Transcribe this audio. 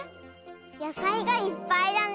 やさいがいっぱいだね！